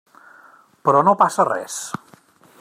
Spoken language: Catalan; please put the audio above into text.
Però no passa res.